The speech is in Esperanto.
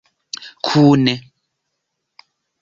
kune